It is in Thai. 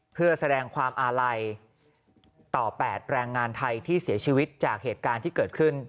เพื่อแสดงความอาลัยต่อ๘แรงงานไทยที่เสียชีวิตจากเหตุการณ์ที่เกิดขึ้น